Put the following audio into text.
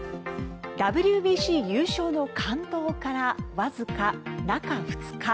ＷＢＣ優勝の感動からわずか中２日。